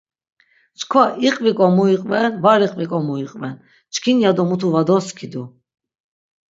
Çkva iqvik̆o mu iqven var iqvik̆o mu iqven, çkin yado mutu va doskidu.